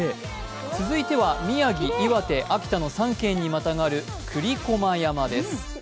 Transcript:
続いては宮城、岩手、秋田の３県にまたがる栗駒山です。